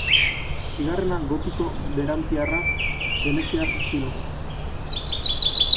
Bigarrena gotiko berantiarra, veneziar estilokoa.